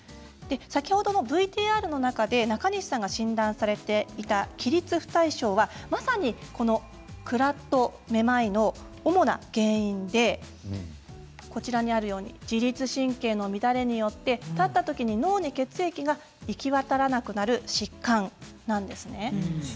先ほどのＶＴＲの中で中西さんが診断されていた起立不耐症は、まさにクラッとめまいの主な原因で自律神経の乱れによって立った時に脳に血液が行き渡らなくなる疾患です。